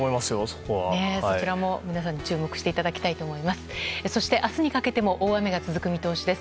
そちらも皆さん注目していただきたいと思います。